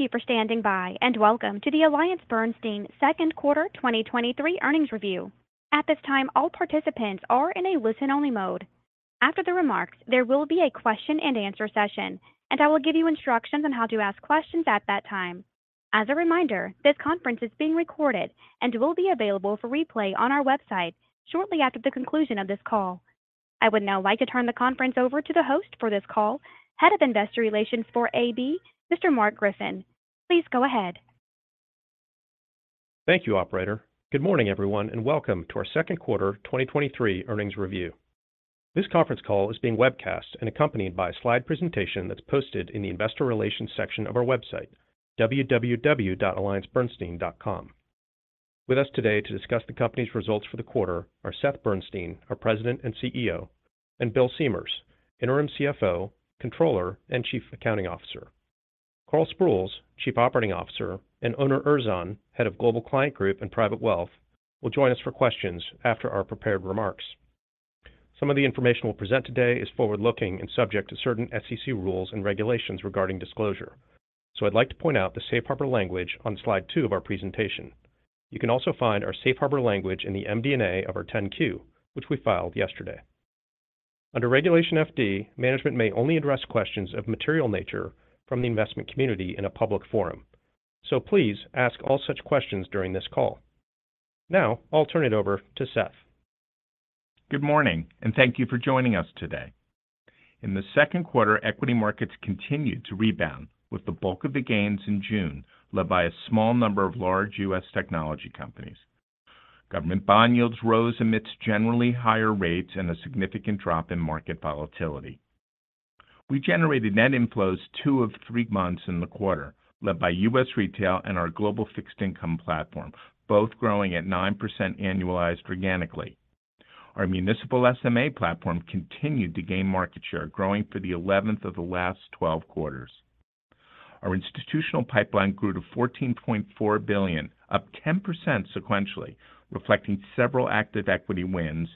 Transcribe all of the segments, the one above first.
Thank you for standing by. Welcome to the AllianceBernstein Second Quarter 2023 Earnings Review. At this time, all participants are in a listen-only mode. After the remarks, there will be a question-and-answer session, and I will give you instructions on how to ask questions at that time. As a reminder, this conference is being recorded and will be available for replay on our website shortly after the conclusion of this call. I would now like to turn the conference over to the host for this call, Head of Investor Relations for AB, Mr. Mark Griffin. Please go ahead. Thank you, operator. Good morning, everyone, and welcome to our Second Quarter 2023 Earnings Review. This conference call is being webcast and accompanied by a slide presentation that's posted in the Investor Relations section of our website, www.alliancebernstein.com. With us today to discuss the company's results for the quarter are Seth Bernstein, our President and CEO, and Bill Siemers, Interim CFO, Controller, and Chief Accounting Officer. Karl Sprules, Chief Operating Officer, and Onur Erzan, Head of Global Client Group and Private Wealth, will join us for questions after our prepared remarks. Some of the information we'll present today is forward-looking and subject to certain SEC rules and regulations regarding disclosure. I'd like to point out the safe harbor language on slide two of our presentation. You can also find our safe harbor language in the MD&A of our 10-Q, which we filed yesterday. Under Regulation FD, management may only address questions of material nature from the investment community in a public forum. Please ask all such questions during this call. Now, I'll turn it over to Seth. Good morning, thank you for joining us today. In the second quarter, equity markets continued to rebound, with the bulk of the gains in June, led by a small number of large U.S. technology companies. Government bond yields rose amidst generally higher rates and a significant drop in market volatility. We generated net inflows two of three months in the quarter, led by U.S. Retail and our Global Fixed Income platform, both growing at 9% annualized organically. Our Municipal SMA platform continued to gain market share, growing for the 11th of the last 12 quarters. Our institutional pipeline grew to $14.4 billion, up 10% sequentially, reflecting several active equity wins,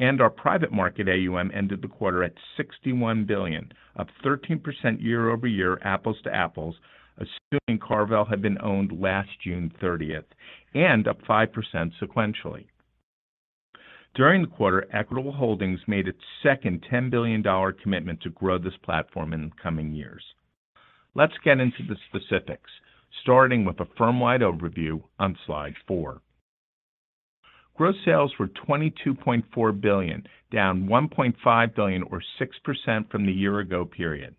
and our private market AUM ended the quarter at $61 billion, up 13% year-over-year, Apples to Apples, assuming CarVal had been owned last June 30th, and up 5% sequentially. During the quarter, Equitable Holdings made its second $10 billion commitment to grow this platform in the coming years. Let's get into the specifics, starting with a firm-wide overview on slide four. Gross sales were $22.4 billion, down $1.5 billion or 6% from the year-ago period.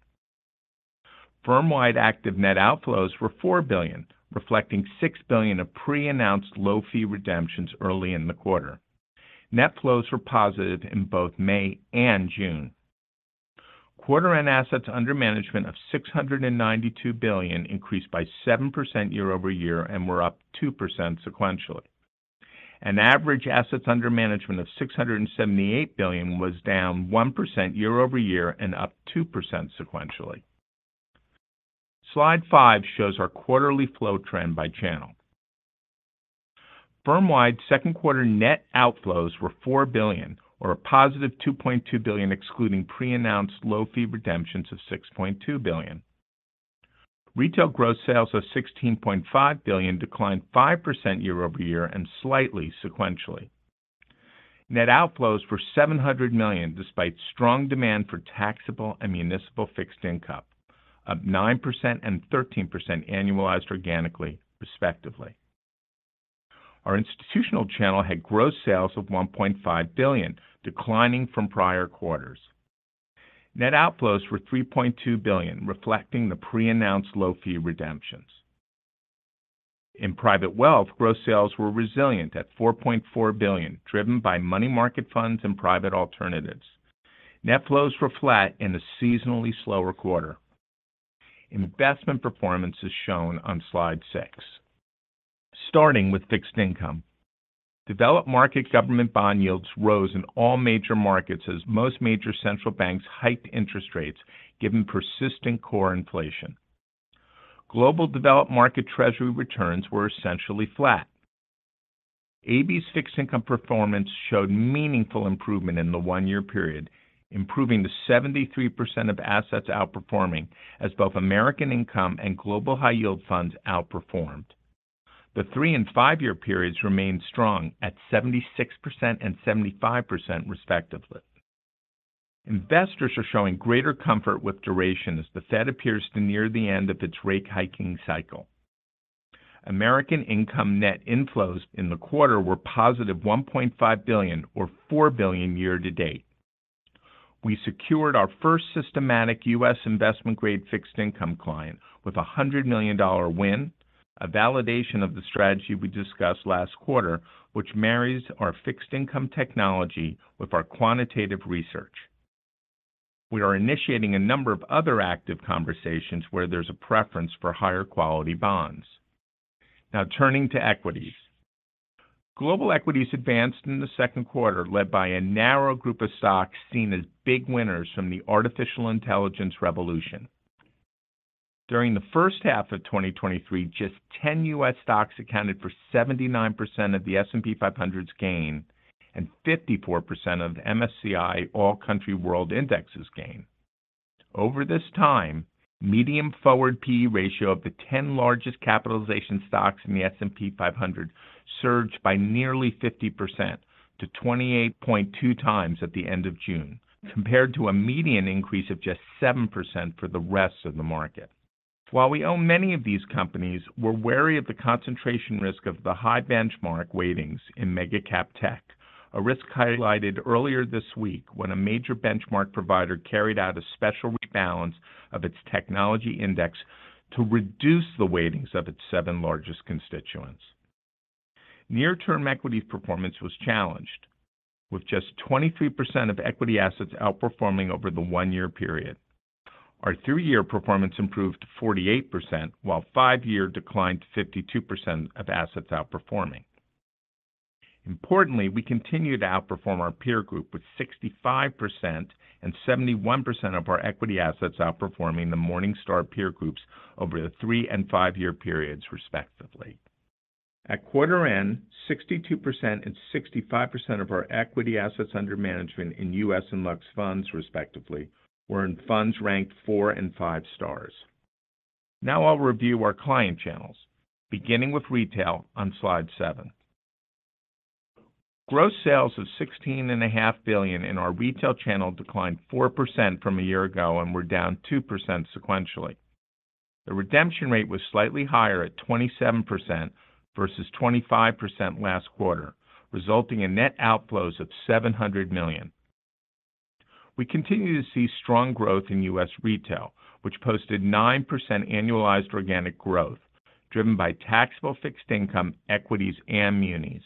Firm-wide active net outflows were $4 billion, reflecting $6 billion of pre-announced low fee redemptions early in the quarter. Net flows were positive in both May and June. Quarter-end assets under management of $692 billion increased by 7% year-over-year and were up 2% sequentially. An average assets under management of $678 billion was down 1% year-over-year and up 2% sequentially. Slide five shows our quarterly flow trend by channel. Firm-wide second quarter net outflows were $4 billion, or a positive $2.2 billion, excluding pre-announced low fee redemptions of $6.2 billion. Retail gross sales of $16.5 billion declined 5% year-over-year. Slightly sequentially, net outflows were $700 million, despite strong demand for taxable and Municipal fixed income, up 9% and 13% annualized organically, respectively. Our institutional channel had gross sales of $1.5 billion, declining from prior quarters. Net outflows were $3.2 billion, reflecting the pre-announced low fee redemptions. In private wealth, gross sales were resilient at $4.4 billion, driven by Money Market Funds and Private Alternatives. Net flows were flat in a seasonally slower quarter. Investment performance is shown on slide six. Starting with fixed income, developed market government bond yields rose in all major markets as most major central banks hiked interest rates, given persistent core inflation. Global developed market treasury returns were essentially flat. AB's fixed income performance showed meaningful improvement in the one-year period, improving to 73% of assets outperforming as both American Income and Global High Yield funds outperformed. The three and five-year periods remained strong at 76% and 75%, respectively. Investors are showing greater comfort with duration as the Fed appears to near the end of its rate hiking cycle. American Income net inflows in the quarter were $1.5 billion or $4 billion year to date. We secured our first systematic U.S. investment-grade fixed income client with a $100 million win, a validation of the strategy we discussed last quarter, which marries our fixed income technology with our quantitative research. We are initiating a number of other active conversations where there's a preference for higher quality bonds. Now, turning to equities. Global equities advanced in the second quarter, led by a narrow group of stocks seen as big winners from the artificial intelligence revolution. During the first half of 2023, just 10 U.S. stocks accounted for 79% of the S&P 500's gain and 54% of the MSCI All Country World Index's gain. Over this time, median forward P/E ratio of the 10 largest capitalization stocks in the S&P 500 surged by nearly 50% to 28.2x at the end of June, compared to a median increase of just 7% for the rest of the market. While we own many of these companies, we're wary of the concentration risk of the high benchmark weightings in mega cap tech. A risk highlighted earlier this week when a major benchmark provider carried out a special rebalance of its technology index to reduce the weightings of its seven largest constituents. Near-term equity performance was challenged, with just 23% of equity assets outperforming over the one-year period. Our three-year performance improved to 48%, while five-year declined to 52% of assets outperforming. Importantly, we continued to outperform our peer group, with 65% and 71% of our equity assets outperforming the Morningstar peer groups over the three and five-year periods, respectively. At quarter end, 62% and 65% of our equity assets under management in U.S. and Lux funds, respectively, were in funds ranked four and five stars. I'll review our client channels, beginning with retail on slide seven. Gross sales of $16.5 billion in our retail channel declined 4% from a year ago and were down 2% sequentially. The redemption rate was slightly higher at 27% versus 25% last quarter, resulting in net outflows of $700 million. We continue to see strong growth in U.S. retail, which posted 9% annualized organic growth, driven by taxable fixed income, equities, and munis.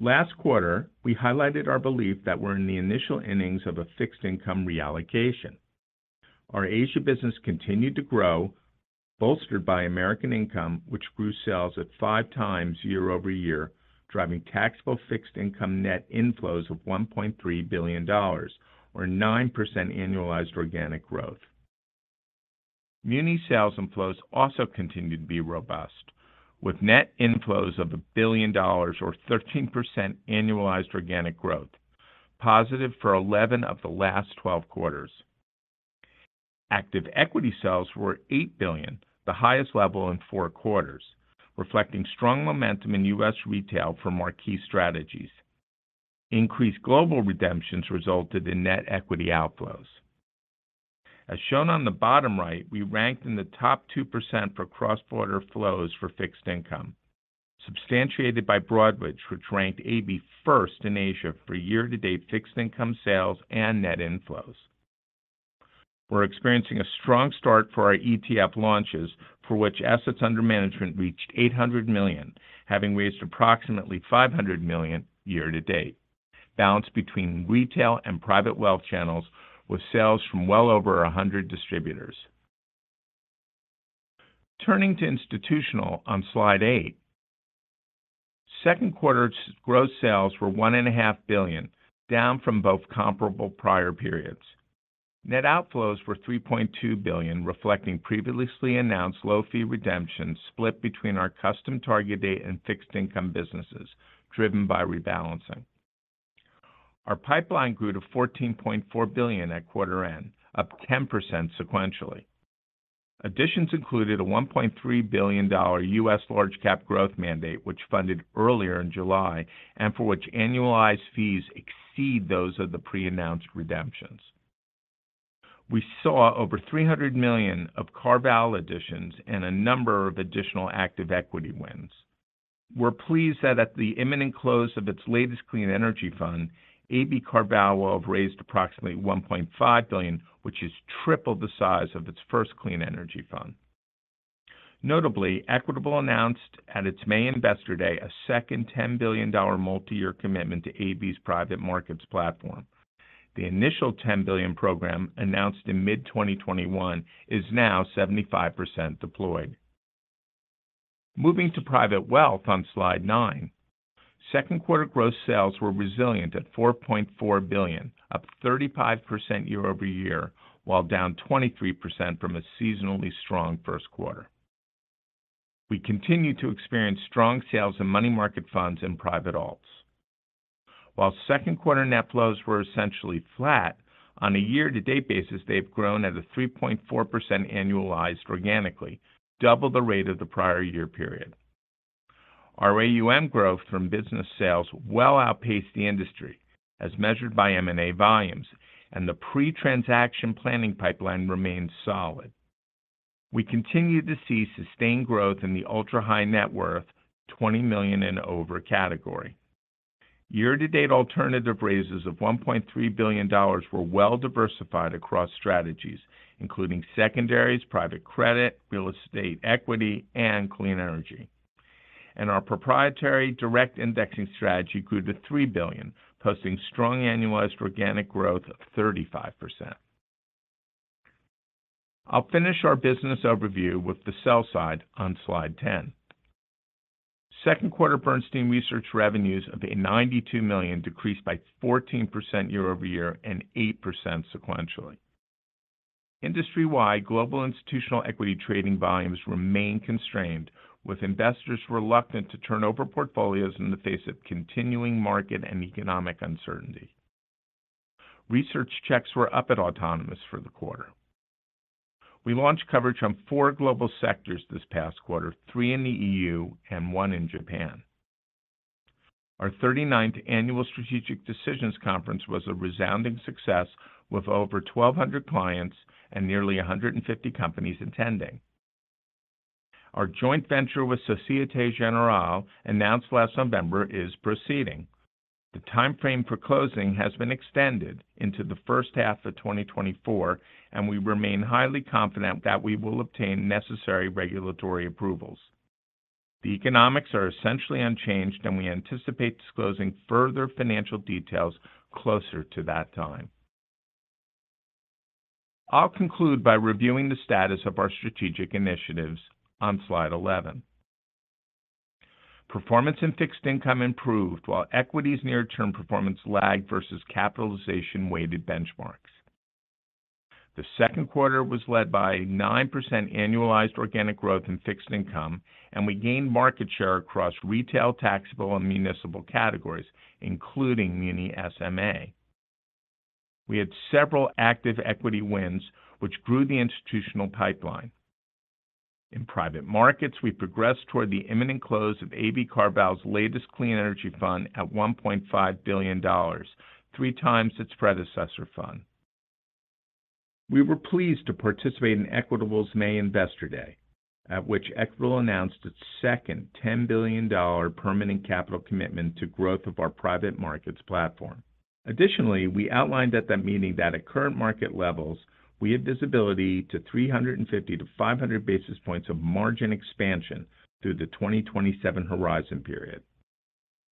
Last quarter, we highlighted our belief that we're in the initial innings of a fixed income reallocation. Our Asia business continued to grow, bolstered by American Income, which grew sales at five times year-over-year, driving taxable fixed income net inflows of $1.3 billion or 9% annualized organic growth. Muni sales inflows also continued to be robust, with net inflows of $1 billion or 13% annualized organic growth, positive for 11 of the last 12 quarters. Active equity sales were $8 billion, the highest level in 4 quarters, reflecting strong momentum in U.S. retail from our key strategies. Increased global redemptions resulted in net equity outflows. As shown on the bottom right, we ranked in the top 2% for cross-border flows for fixed income, substantiated by Broadridge, which ranked AB first in Asia for year-to-date fixed income sales and net inflows. We're experiencing a strong start for our ETF launches, for which assets under management reached $800 million, having raised approximately $500 million year to date, balanced between retail and private wealth channels, with sales from well over 100 distributors. Turning to institutional on slide eight. Second quarter gross sales were $1.5 billion, down from both comparable prior periods. Net outflows were $3.2 billion, reflecting previously announced low-fee redemptions split between our custom target date and fixed income businesses, driven by rebalancing. Our pipeline grew to $14.4 billion at quarter end, up 10% sequentially. Additions included a $1.3 billion U.S. large cap growth mandate, which funded earlier in July, and for which annualized fees exceed those of the pre-announced redemptions. We saw over $300 million of CarVal additions and a number of additional active equity wins. We're pleased that at the imminent close of its latest clean energy fund, AB CarVal will have raised approximately $1.5 billion, which is triple the size of its first clean energy fund. Notably, Equitable announced at its May Investor Day, a 2nd $10 billion-dollar multi-year commitment to AB's private markets platform. The initial $10 billion program, announced in mid-2021, is now 75% deployed. Moving to private wealth on slide nine. Second quarter gross sales were resilient at $4.4 billion, up 35% year-over-year, while down 23% from a seasonally strong first quarter. We continued to experience strong sales in money market funds and private alts. While second quarter net flows were essentially flat, on a year-to-date basis, they've grown at a 3.4% annualized organically, double the rate of the prior year period. Our AUM growth from business sales well outpaced the industry as measured by M&A volumes, and the pre-transaction planning pipeline remains solid. We continued to see sustained growth in the ultra-high net worth, $20 million and over category. Year-to-date alternative raises of $1.3 billion were well-diversified across strategies, including secondaries, private credit, real estate, equity, and clean energy. Our proprietary direct indexing strategy grew to $3 billion, posting strong annualized organic growth of 35%. I'll finish our business overview with the sell-side on slide 10. Second quarter Bernstein Research revenues of $92 million decreased by 14% year-over-year and 8% sequentially. Industry-wide, global institutional equity trading volumes remain constrained, with investors reluctant to turn over portfolios in the face of continuing market and economic uncertainty. Research checks were up at Autonomous for the quarter. We launched coverage on four global sectors this past quarter, three in the EU and one in Japan. Our 39th Annual Strategic Decisions Conference was a resounding success, with over 1,200 clients and nearly 150 companies attending. Our joint venture with Societe Generale, announced last November, is proceeding. The timeframe for closing has been extended into the first half of 2024, and we remain highly confident that we will obtain necessary regulatory approvals. The economics are essentially unchanged, and we anticipate disclosing further financial details closer to that time. I'll conclude by reviewing the status of our strategic initiatives on slide 11. Performance in fixed income improved, while equity's near-term performance lagged versus capitalization-weighted benchmarks. The second quarter was led by 9% annualized organic growth in fixed income, and we gained market share across retail, taxable, and municipal categories, including Muni SMA. We had several active equity wins, which grew the institutional pipeline. In private markets, we progressed toward the imminent close of AB CarVal's latest clean energy fund at $1.5 billion, 3x its predecessor fund. We were pleased to participate in Equitable's May Investor Day, at which Equitable announced its second $10 billion permanent capital commitment to growth of our private markets platform. Additionally, we outlined at that meeting that at current market levels, we have visibility to 350-500 basis points of margin expansion through the 2027 horizon period.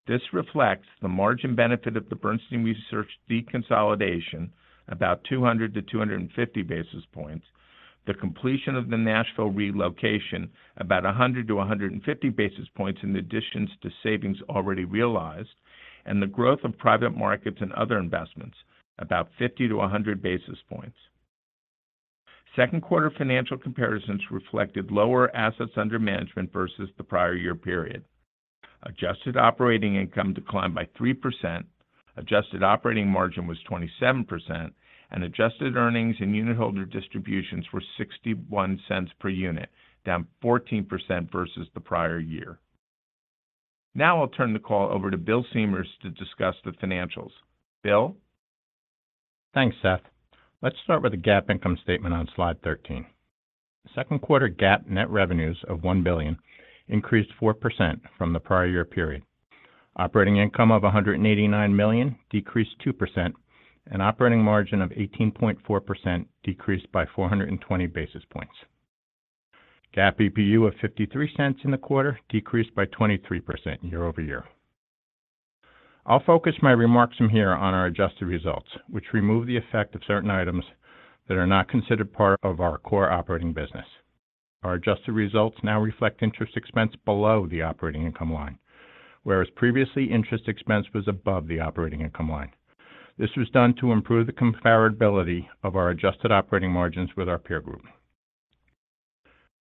This reflects the margin benefit of the Bernstein Research deconsolidation, about 200-250 basis points, the completion of the Nashville relocation, about 100-150 basis points in addition to savings already realized, and the growth of private markets and other investments, about 50-100 basis points. Second quarter financial comparisons reflected lower assets under management versus the prior year period. Adjusted operating income declined by 3%, adjusted operating margin was 27%, adjusted earnings and unitholder distributions were $0.61 per unit, down 14% versus the prior year. Now I'll turn the call over to Bill Siemers to discuss the financials. Bill? Thanks, Seth. Let's start with the GAAP income statement on slide 13. Second quarter GAAP net revenues of $1 billion increased 4% from the prior year period. Operating income of $189 million decreased 2%, and operating margin of 18.4% decreased by 420 basis points. GAAP EPU of $0.53 in the quarter decreased by 23% year-over-year. I'll focus my remarks from here on our adjusted results, which remove the effect of certain items that are not considered part of our core operating business. Our adjusted results now reflect interest expense below the operating income line, whereas previously, interest expense was above the operating income line. This was done to improve the comparability of our adjusted operating margins with our peer group.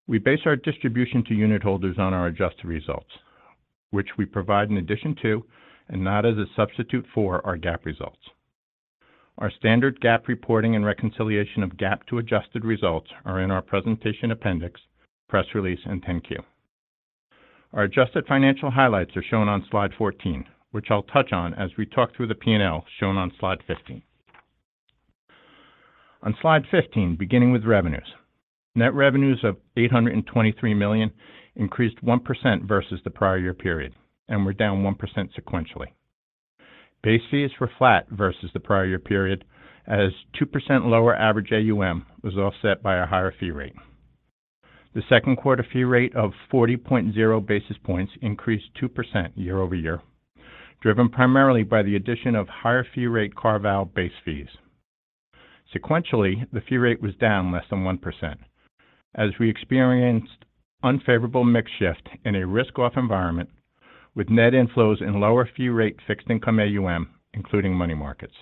We base our distribution to unitholders on our adjusted results, which we provide in addition to, and not as a substitute for, our GAAP results. Our standard GAAP reporting and reconciliation of GAAP to adjusted results are in our presentation appendix, press release, and 10-Q. Our adjusted financial highlights are shown on Slide 14, which I'll touch on as we talk through the P&L shown on Slide 15. On Slide 15, beginning with revenues. Net revenues of $823 million increased 1% versus the prior year period and were down 1% sequentially. Base fees were flat versus the prior year period, as 2% lower average AUM was offset by a higher fee rate. The second quarter fee rate of 40.0 basis points increased 2% year-over-year, driven primarily by the addition of higher fee rate carve-out base fees. Sequentially, the fee rate was down less than 1%, as we experienced unfavorable mix shift in a risk-off environment with net inflows and lower fee rate fixed income AUM, including money markets.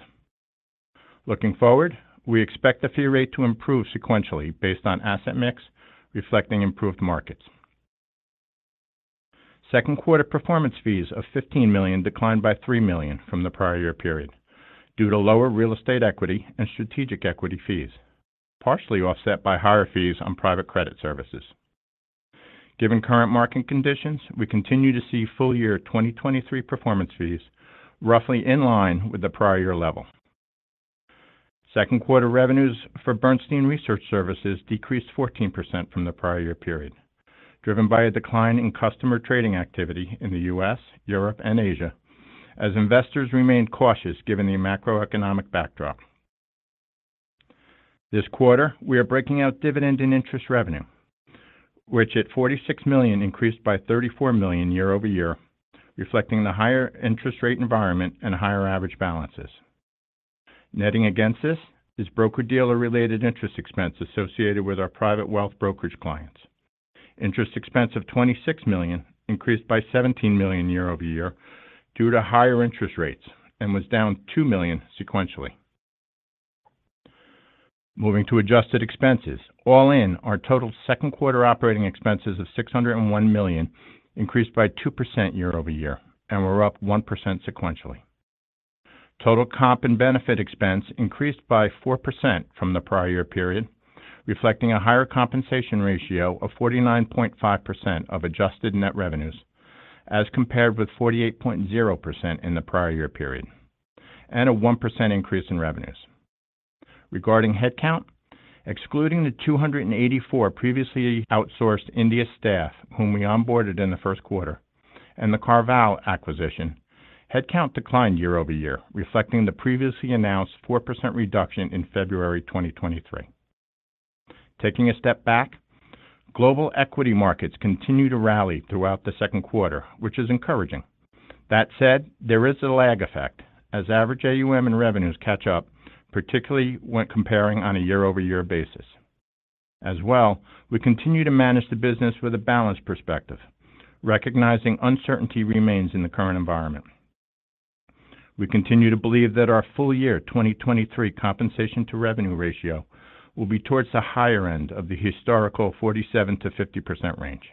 Looking forward, we expect the fee rate to improve sequentially based on asset mix, reflecting improved markets. Second quarter performance fees of $15 million declined by $3 million from the prior year period due to lower real estate equity and strategic equity fees, partially offset by higher fees on private credit services. Given current market conditions, we continue to see full year 2023 performance fees roughly in line with the prior year level. Second quarter revenues for Bernstein Research services decreased 14% from the prior year period, driven by a decline in customer trading activity in the U.S., Europe, and Asia, as investors remained cautious given the macroeconomic backdrop. This quarter, we are breaking out dividend and interest revenue, which at $46 million, increased by $34 million year-over-year, reflecting the higher interest rate environment and higher average balances. Netting against this is broker-dealer-related interest expense associated with our private wealth brokerage clients. Interest expense of $26 million increased by $17 million year-over-year due to higher interest rates and was down $2 million sequentially. Moving to adjusted expenses. All in, our total second quarter operating expenses of $601 million increased by 2% year-over-year, and were up 1% sequentially. Total comp and benefit expense increased by 4% from the prior year period, reflecting a higher compensation ratio of 49.5% of adjusted net revenues, as compared with 48.0% in the prior year period, and a 1% increase in revenues. Regarding headcount, excluding the 284 previously outsourced India staff, whom we onboarded in the first quarter, and the CarVal acquisition, headcount declined year-over-year, reflecting the previously announced 4% reduction in February 2023. Taking a step back, global equity markets continued to rally throughout the second quarter, which is encouraging. That said, there is a lag effect as average AUM and revenues catch up, particularly when comparing on a year-over-year basis. As well, we continue to manage the business with a balanced perspective, recognizing uncertainty remains in the current environment. We continue to believe that our full year 2023 compensation-to-revenue ratio will be towards the higher end of the historical 47%-50% range.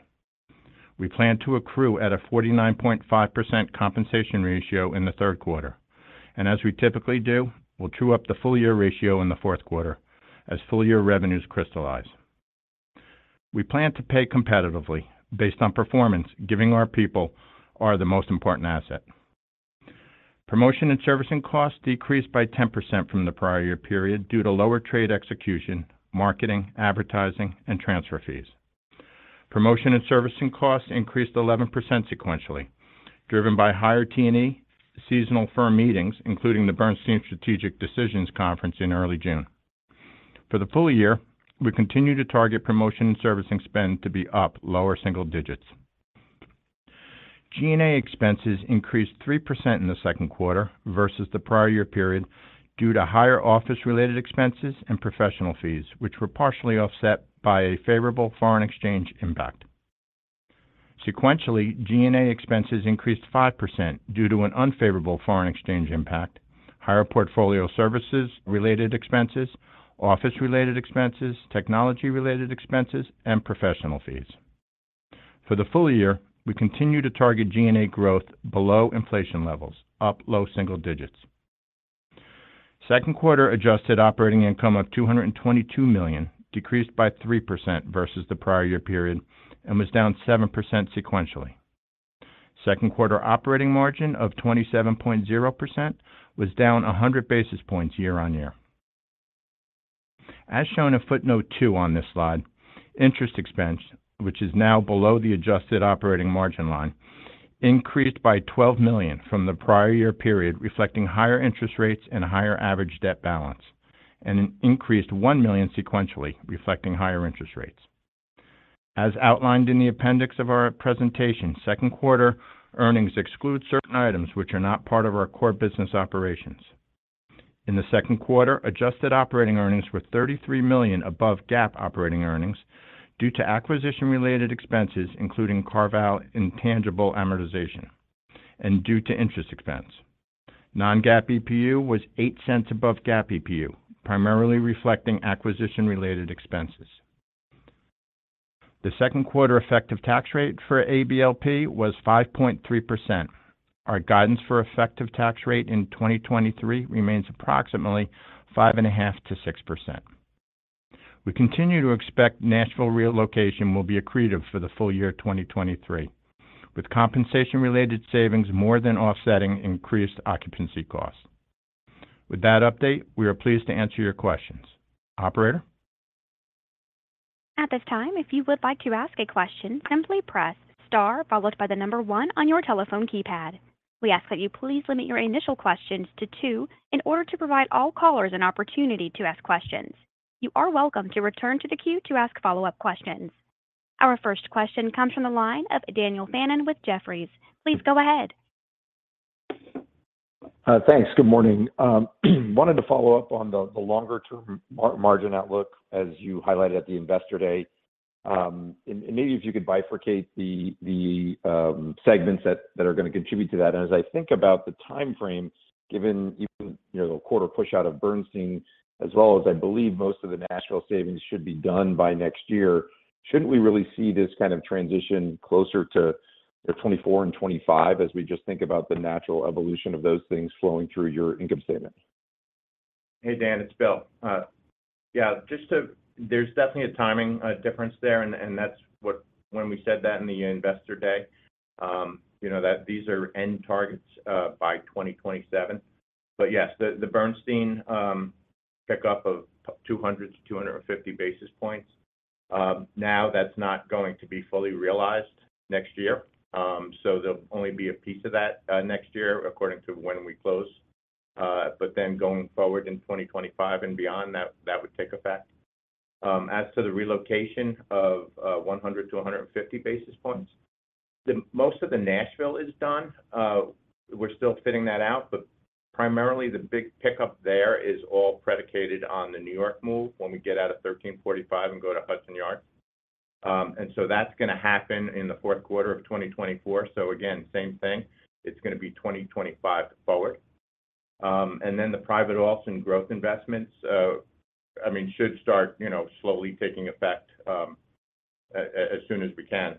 We plan to accrue at a 49.5% compensation ratio in the third quarter, and as we typically do, we'll true-up the full year ratio in the fourth quarter as full year revenues crystallize. We plan to pay competitively based on performance, giving our people are the most important asset. Promotion and servicing costs decreased by 10% from the prior year period due to lower trade execution, marketing, advertising, and transfer fees. Promotion and servicing costs increased 11% sequentially, driven by higher T&E, seasonal firm meetings, including the Bernstein Strategic Decisions Conference in early June. For the full year, we continue to target promotion and servicing spend to be up lower single digits. G&A expenses increased 3% in the second quarter versus the prior year period due to higher office-related expenses and professional fees, which were partially offset by a favorable foreign exchange impact. Sequentially, G&A expenses increased 5% due to an unfavorable foreign exchange impact, higher portfolio services-related expenses, office-related expenses, technology-related expenses, and professional fees. For the full year, we continue to target G&A growth below inflation levels, up low single digits. Second quarter adjusted operating income of $222 million decreased by 3% versus the prior year period and was down 7% sequentially. Second quarter operating margin of 27.0% was down 100 basis points year-on-year. As shown in footnote two on this slide, interest expense, which is now below the adjusted operating margin line, increased by $12 million from the prior year period, reflecting higher interest rates and a higher average debt balance, and an increased $1 million sequentially, reflecting higher interest rates. As outlined in the appendix of our presentation, second quarter earnings exclude certain items which are not part of our core business operations. In the second quarter, adjusted operating earnings were $33 million above GAAP operating earnings due to acquisition-related expenses, including CarVal intangible amortization and due to interest expense. Non-GAAP EPU was $0.08 above GAAP EPU, primarily reflecting acquisition-related expenses. The second quarter effective tax rate for ABLP was 5.3%. Our guidance for effective tax rate in 2023 remains approximately 5.5%-6%. We continue to expect Nashville relocation will be accretive for the full year 2023, with compensation-related savings more than offsetting increased occupancy costs. With that update, we are pleased to answer your questions. Operator? At this time, if you would like to ask a question, simply press star, followed by one on your telephone keypad. We ask that you please limit your initial questions to two in order to provide all callers an opportunity to ask questions. You are welcome to return to the queue to ask follow-up questions. Our first question comes from the line of Daniel Fannon with Jefferies. Please go ahead. Thanks. Good morning. Wanted to follow up on the, the longer-term mar- margin outlook, as you highlighted at the Investor Day. And maybe if you could bifurcate the, the segments that, that are gonna contribute to that. As I think about the time frame, given even, you know, the quarter push out of Bernstein as well as I believe most of the Nashville savings should be done by next year, shouldn't we really see this kind of transition closer to 2024 and 2025, as we just think about the natural evolution of those things flowing through your income statement? Hey, Dan, it's Bill. Yeah, just to... There's definitely a timing difference there, and that's what when we said that in the Investor Day. You know, that these are end targets by 2027. Yes, the Bernstein pick-up of 200 to 250 basis points, now that's not going to be fully realized next year. There'll only be a piece of that next year, according to when we close. Then going forward in 2025 and beyond, that would take effect. As to the relocation of 100 to 150 basis points, the most of the Nashville is done. We're still fitting that out, primarily the big pick-up there is all predicated on the New York move when we get out of 1345 and go to Hudson Yards. That's gonna happen in the fourth quarter of 2024. Again, same thing, it's gonna be 2025 forward. The private alts and growth investments, I mean, should start, you know, slowly taking effect, as soon as we can,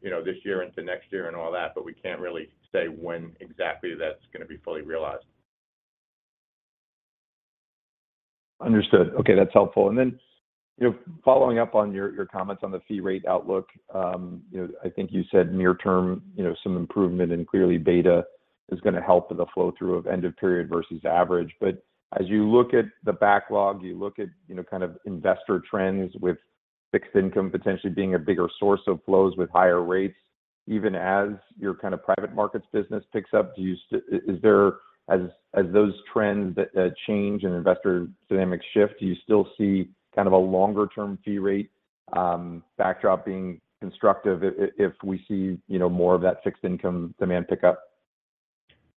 you know, this year into next year and all that, but we can't really say when exactly that's gonna be fully realized. Understood. Okay, that's helpful. Then, you know, following up on your, your comments on the fee rate outlook, you know, I think you said near term, you know, some improvement, and clearly, beta is gonna help with the flow-through of end-of-period versus average. As you look at the backlog, you look at, you know, kind of investor trends with fixed income potentially being a bigger source of flows with higher rates, even as your kind of private markets business picks up, do you as those trends, change and investor dynamics shift, do you still see kind of a longer-term fee rate, backdrop being constructive i-i-if we see, you know, more of that fixed income demand pick up?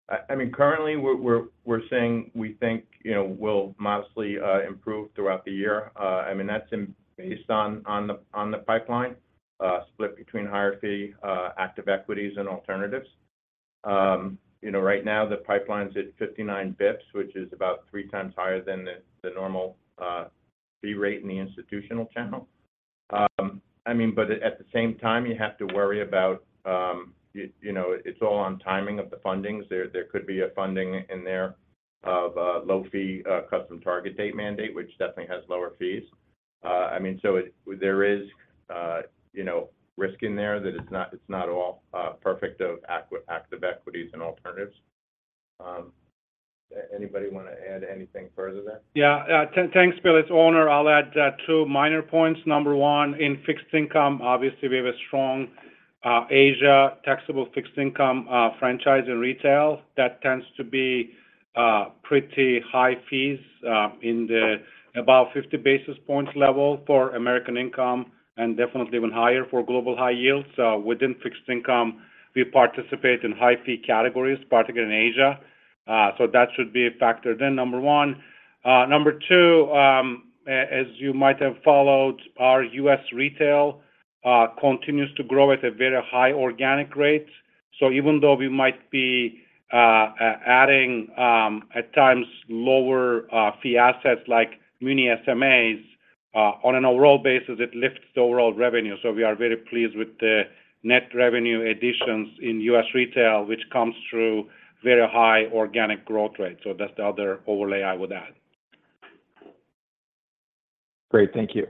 I, I mean, currently, we're, we're, we're saying we think, you know, we'll modestly improve throughout the year. I mean, that's in based on, on the, on the pipeline, split between higher fee active equities and alternatives. You know, right now, the pipeline's at 59 bips, which is about 3x higher than the normal fee rate in the institutional channel. I mean, at the same time, you have to worry about, you know, it's all on timing of the fundings. There, there could be a funding in there of low-fee custom target date mandate, which definitely has lower fees. I mean, there is, you know, risk in there that it's not, it's not all perfect of active equities and alternatives. Anybody want to add anything further there? Yeah. Th-thanks, Bill. It's Onur. I'll add two minor points. Number one, in fixed income, obviously, we have a strong Asia taxable fixed income franchise in retail. That tends to be pretty high fees, in the about 50 basis points level for American Income and definitely even higher for Global High Yield. Within fixed income, we participate in high-fee categories, particularly in Asia, so that should be a factor then, number one. Number two, a-as you might have followed, our U.S. retail continues to grow at a very high organic rate. Even though we might be a-adding, at times, lower fee assets like Muni SMAs, on an overall basis, it lifts the overall revenue. We are very pleased with the net revenue additions in U.S. retail, which comes through very high organic growth rate. That's the other overlay I would add. Great. Thank you.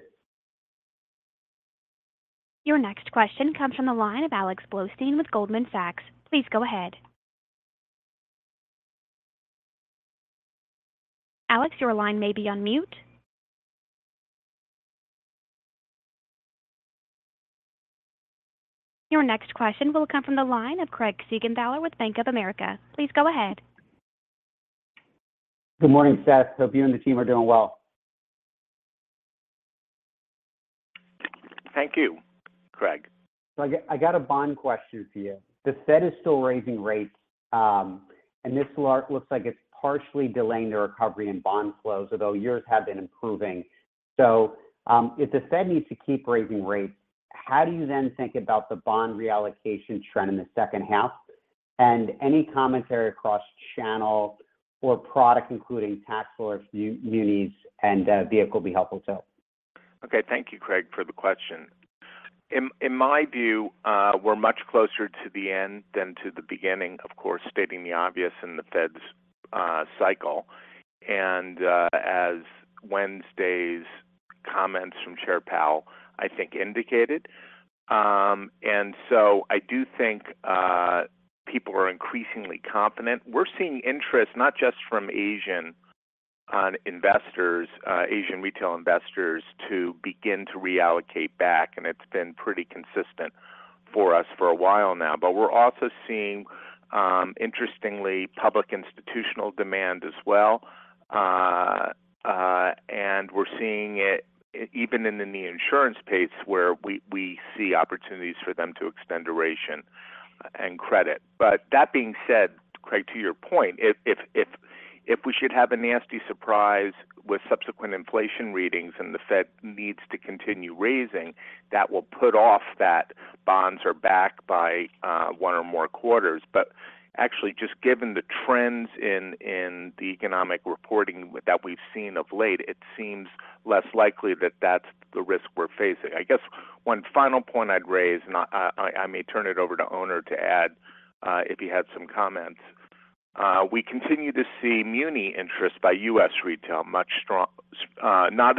Your next question comes from the line of Alex Blostein with Goldman Sachs. Please go ahead. Alex, your line may be on mute. Your next question will come from the line of Craig Siegenthaler with Bank of America. Please go ahead. Good morning, Seth. Hope you and the team are doing well. Thank you, Craig. I got a bond question for you. The Fed is still raising rates, and this looks like it's partially delaying the recovery in bond flows, although yours have been improving. If the Fed needs to keep raising rates, how do you then think about the bond reallocation trend in the second half? Any commentary across channels or product, including tax loss, munis, and vehicle will be helpful too. Okay, thank you, Craig, for the question. In my view, we're much closer to the end than to the beginning, of course, stating the obvious in the Fed's cycle, as Wednesday's comments from Chair Powell, I think, indicated. I do think people are increasingly confident. We're seeing interest, not just from Asian investors, Asian retail investors, to begin to reallocate back, and it's been pretty consistent for us for a while now. We're also seeing, interestingly, public institutional demand as well. We're seeing it even in the insurance pace, where we see opportunities for them to extend duration and credit. That being said, Craig, to your point, if, if, if, if we should have a nasty surprise with subsequent inflation readings and the Fed needs to continue raising, that will put off that bonds are back by one or more quarters. Actually, just given the trends in, in the economic reporting that we've seen of late, it seems less likely that that's the risk we're facing. I guess one final point I'd raise, and I, I, I may turn it over to Onur to add, if he had some comments. We continue to see muni interest by U.S. retail, not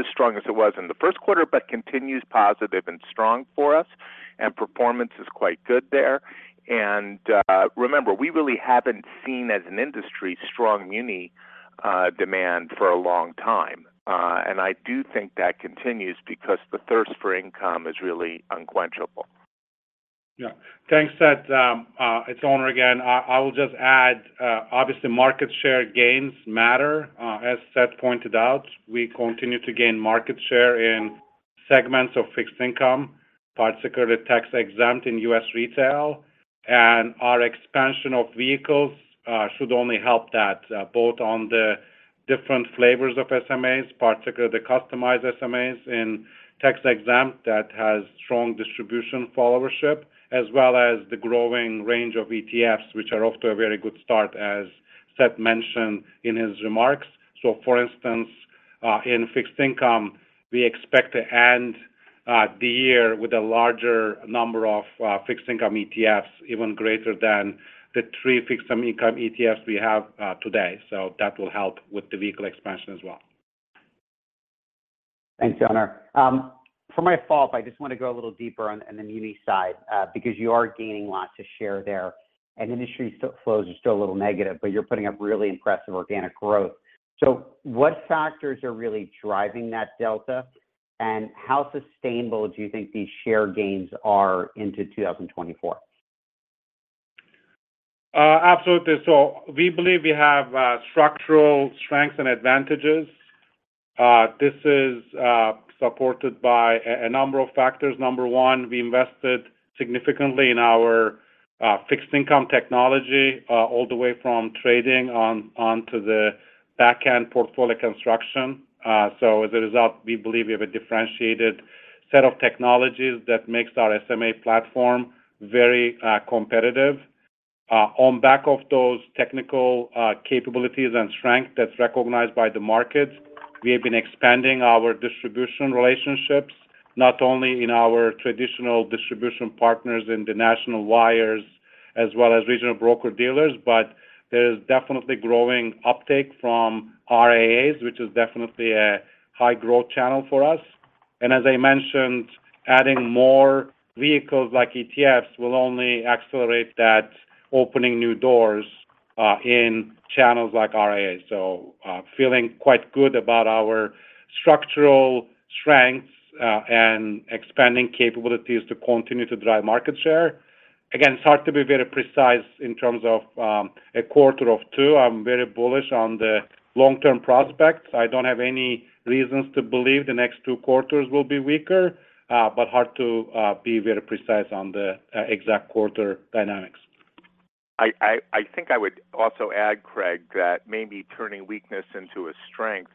as strong as it was in the first quarter, but continues positive and strong for us, and performance is quite good there. Remember, we really haven't seen, as an industry, strong muni demand for a long time. I do think that continues because the thirst for income is really unquenchable. Yeah. Thanks, Seth. It's Onur again. Market share gains matter. As Seth pointed out, we continue to gain market share in segments of fixed income, particularly tax-exempt in U.S. retail. Our expansion of vehicles should only help that, both on the different flavors of SMAs, particularly the customized SMAs in tax-exempt, that has strong distribution followership, as well as the growing range of ETFs, which are off to a very good start, as Seth mentioned in his remarks. For instance, in fixed income, we expect to end the year with a larger number of fixed income ETFs, even greater than the three fixed income ETFs we have today. That will help with the vehicle expansion as well. Thanks, Onur. For my follow-up, I just want to go a little deeper on the muni side, because you are gaining lots of share there, and industry flows are still a little negative, but you're putting up really impressive organic growth. What factors are really driving that delta? How sustainable do you think these share gains are into 2024? Absolutely. We believe we have structural strengths and advantages. This is supported by a number of factors. Number one, we invested significantly in our fixed income technology, all the way from trading on to the back-end portfolio construction. As a result, we believe we have a differentiated set of technologies that makes our SMA platform very competitive. On back of those technical capabilities and strength that's recognized by the markets, we have been expanding our distribution relationships, not only in our traditional distribution partners in the national wires, as well as regional broker-dealers, but there's definitely growing uptake from RIAs, which is definitely a high-growth channel for us. As I mentioned, adding more vehicles like ETFs will only accelerate that opening new doors in channels like RIAs. Feeling quite good about our structural strengths, and expanding capabilities to continue to drive market share. Again, it's hard to be very precise in terms of, a quarter of two. I'm very bullish on the long-term prospects. I don't have any reasons to believe the next two quarters will be weaker, but hard to be very precise on the exact quarter dynamics. I, I, I think I would also add, Craig, that maybe turning weakness into a strength,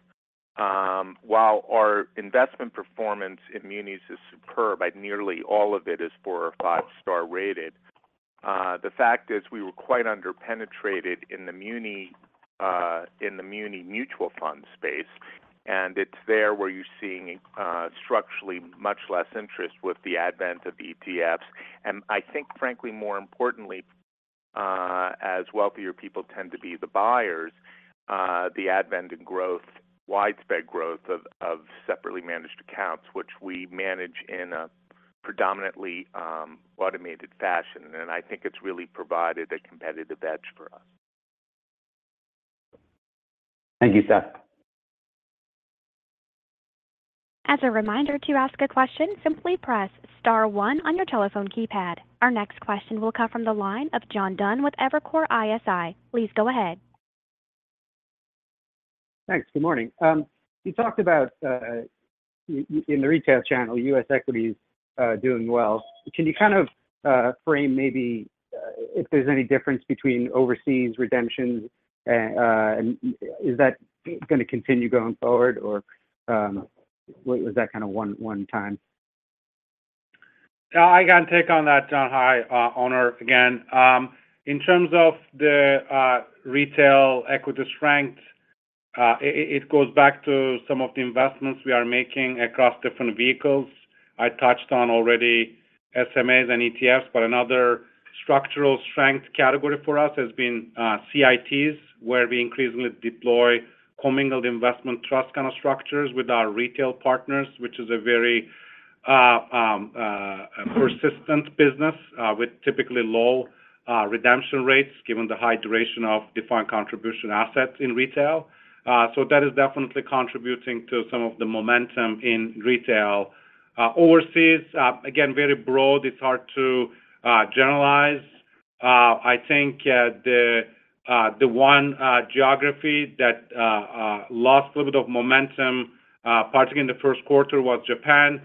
while our investment performance in munis is superb, and nearly all of it is four or five-star rated, the fact is we were quite underpenetrated in the muni, in the muni mutual fund space, and it's there where you're seeing, structurally much less interest with the advent of ETFs. I think frankly more importantly, as wealthier people tend to be the buyers, the advent and growth, widespread growth of, of separately managed accounts, which we manage in a predominantly, automated fashion, and I think it's really provided a competitive edge for us. Thank you, Seth. As a reminder, to ask a question, simply press star one on your telephone keypad. Our next question will come from the line of John Dunn with Evercore ISI. Please go ahead. Thanks. Good morning. You talked about in the retail channel, U.S. equities doing well. Can you kind of frame maybe if there's any difference between overseas redemptions, and is that going to continue going forward, or was that kind of one, one time? I can take on that, John. Hi, Onur again. In terms of the retail equity strength, it goes back to some of the investments we are making across different vehicles. I touched on already SMAs and ETFs, but another structural strength category for us has been CITs, where we increasingly deploy commingled investment trust kind of structures with our retail partners, which is a very persistent business with typically low redemption rates, given the high duration of defined contribution assets in retail. That is definitely contributing to some of the momentum in retail. Overseas, again, very broad, it's hard to generalize. I think the one geography that lost a little bit of momentum, particularly in the first quarter, was Japan.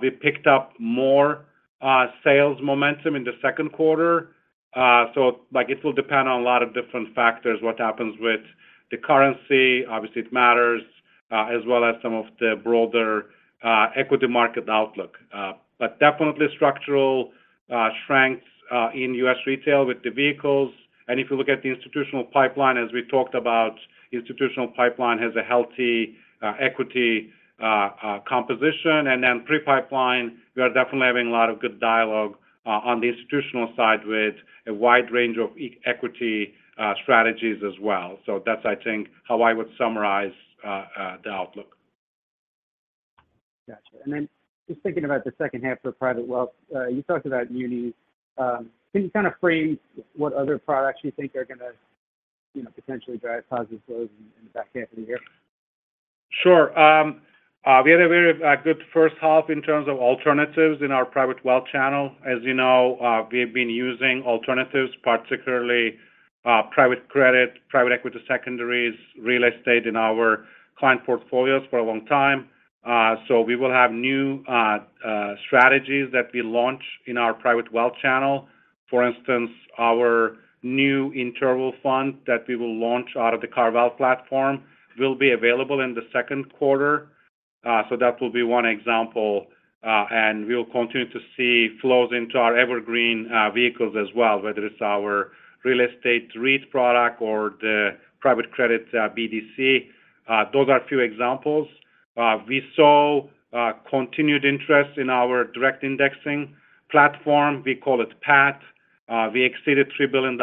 We picked up more sales momentum in the second quarter. Like, it will depend on a lot of different factors. What happens with the currency, obviously, it matters, as well as some of the broader equity market outlook. Definitely structural strengths in U.S. retail with the vehicles. If you look at the institutional pipeline, as we talked about, institutional pipeline has a healthy equity composition. Then pre-pipeline, we are definitely having a lot of good dialogue on the institutional side with a wide range of equity strategies as well. That's, I think, how I would summarize the outlook. Gotcha. Then just thinking about the second half for private wealth, you talked about munis. Can you kind of frame what other products you think are going to, you know, potentially drive positive growth in the back half of the year? Sure. We had a very good first half in terms of alternatives in our private wealth channel. As you know, we've been using alternatives, particularly private credit, private equity secondaries, real estate in our client portfolios for a long time. So we will have new strategies that we launch in our private wealth channel. For instance, our new interval fund that we will launch out of the CarVal platform will be available in the second quarter. So that will be one example, and we'll continue to see flows into our evergreen vehicles as well, whether it's our real estate REIT product or the private credit BDC. Those are a few examples. We saw continued interest in our direct indexing platform. We call it PAT. We exceeded $3 billion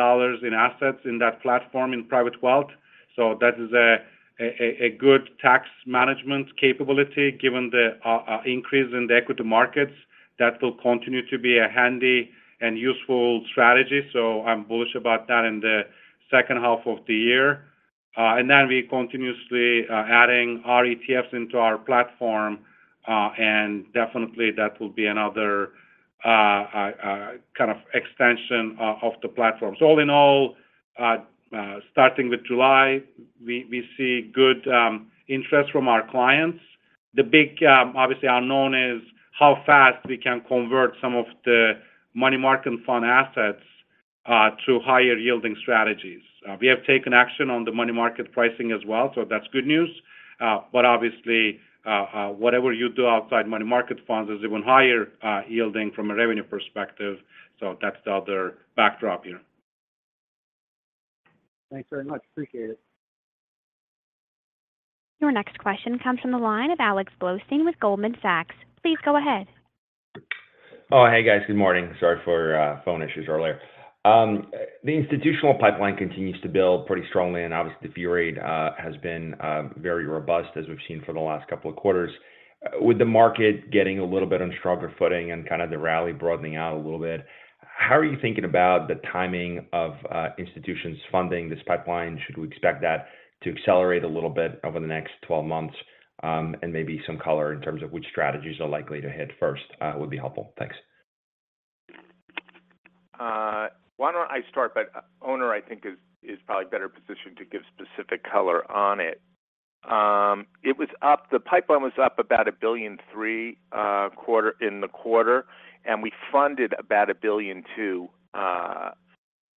in assets in that platform in private wealth, so that is a good tax management capability, given the increase in the equity markets. That will continue to be a handy and useful strategy, so I'm bullish about that in the second half of the year. Then we continuously adding our ETFs into our platform, and definitely that will be another kind of extension of the platform. All in all, starting with July, we see good interest from our clients. The big, obviously unknown is how fast we can convert some of the money market fund assets to higher yielding strategies. We have taken action on the money market pricing as well. That's good news. Obviously, whatever you do outside money market funds is even higher, yielding from a revenue perspective. That's the other backdrop here. Thanks very much. Appreciate it. Your next question comes from the line of Alex Blostein with Goldman Sachs. Please go ahead. Oh, hey, guys. Good morning. Sorry for phone issues earlier. The institutional pipeline continues to build pretty strongly, and obviously, the fee rate has been very robust, as we've seen for the last couple of quarters. With the market getting a little bit on stronger footing and kind of the rally broadening out a little bit, how are you thinking about the timing of institutions funding this pipeline? Should we expect that to accelerate a little bit over the next 12 months? Maybe some color in terms of which strategies are likely to hit first, would be helpful. Thanks. Why don't I start? Onur, I think, is, is probably better positioned to give specific color on it. It was up—The pipeline was up about $1.3 billion in the quarter, and we funded about $1.2 billion,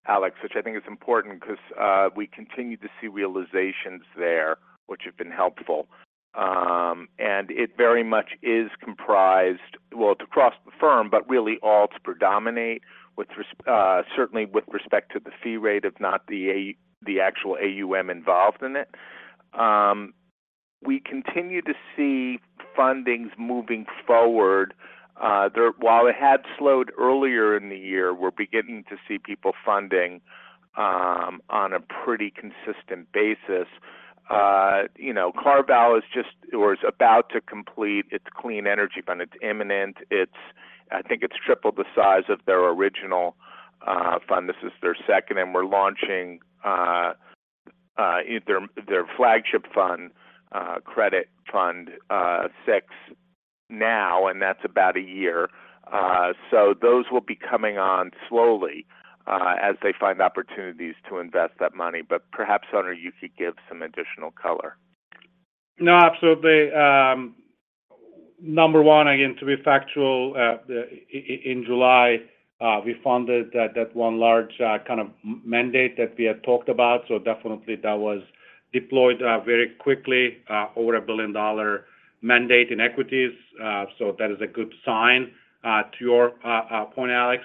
Alex, which I think is important because we continue to see realizations there, which have been helpful. And it very much is comprised... Well, it's across the firm, but really all predominate, with resp-- certainly with respect to the fee rate, if not the actual AUM involved in it. We continue to see fundings moving forward. There, while it had slowed earlier in the year, we're beginning to see people funding, on a pretty consistent basis. You know, CarVal is just, or is about to complete its clean energy fund. It's imminent. It's, I think it's triple the size of their original fund. This is their second, and we're launching their flagship fund, credit fund, six now, and that's about a year. Those will be coming on slowly, as they find opportunities to invest that money. Perhaps, Onur, you could give some additional color. No, absolutely. Number one, again, to be factual, in July, we funded that, that one large, kind of mandate that we had talked about, so definitely that was deployed very quickly, over a billion-dollar mandate in equities. That is a good sign, to your point, Alex.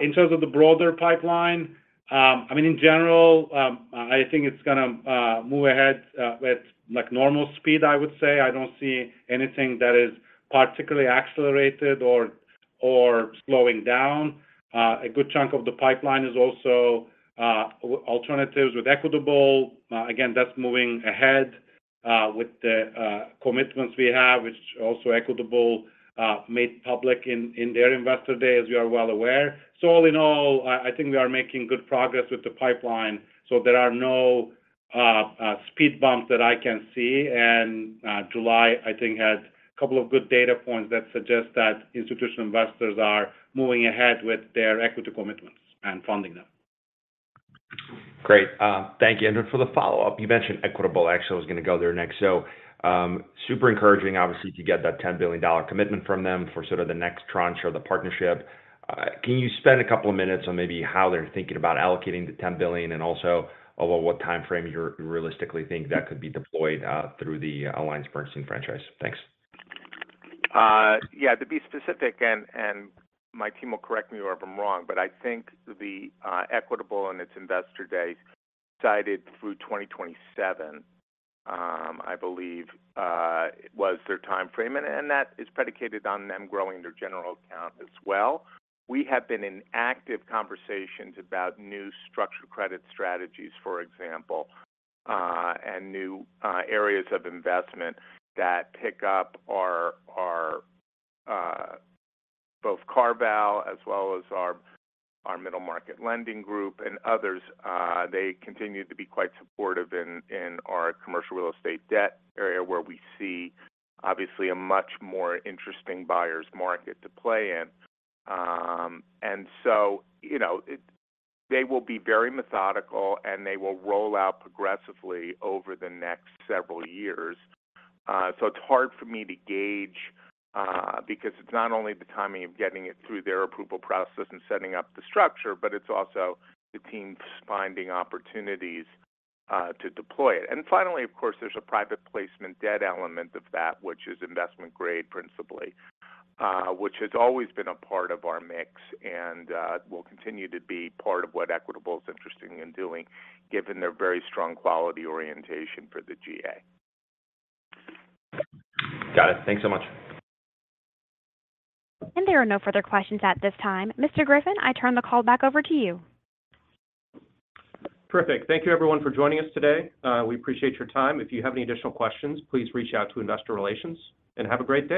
In terms of the broader pipeline, I mean, in general, I think it's gonna move ahead with, like, normal speed, I would say. I don't see anything that is particularly accelerated or slowing down. A good chunk of the pipeline is also alternatives with Equitable. Again, that's moving ahead with the commitments we have, which also Equitable made public in their investor day, as you are well aware. All in all, I, I think we are making good progress with the pipeline, so there are no speed bumps that I can see. July, I think, had a couple of good data points that suggest that institutional investors are moving ahead with their equity commitments and funding them. Great. Thank you. For the follow-up, you mentioned Equitable. Actually, I was going to go there next. Super encouraging, obviously, to get that $10 billion commitment from them for sort of the next tranche or the partnership. Can you spend a couple of minutes on maybe how they're thinking about allocating the $10 billion, and also over what time frame you realistically think that could be deployed through the AllianceBernstein franchise? Thanks. Yeah, to be specific, and my team will correct me or if I'm wrong, but I think the Equitable and its investor day decided through 2027, I believe, was their time frame, and that is predicated on them growing their general account as well. We have been in active conversations about new structured credit strategies, for example, and new areas of investment that pick up our both CarVal as well as our middle market lending group and others. They continue to be quite supportive in our commercial real estate debt area, where we see, obviously, a much more interesting buyer's market to play in. So, you know, it they will be very methodical, and they will roll out progressively over the next several years. So it's hard for me to gauge, because it's not only the timing of getting it through their approval process and setting up the structure, but it's also the teams finding opportunities to deploy it. Finally, of course, there's a private placement debt element of that, which is investment grade, principally, which has always been a part of our mix and will continue to be part of what Equitable is interesting in doing, given their very strong quality orientation for the GA. Got it. Thanks so much. There are no further questions at this time. Mr. Griffin, I turn the call back over to you. Terrific. Thank you, everyone, for joining us today. We appreciate your time. If you have any additional questions, please reach out to Investor Relations, and have a great day.